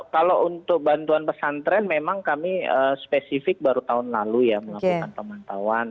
kalau untuk bantuan pesantren memang kami spesifik baru tahun lalu ya melakukan pemantauan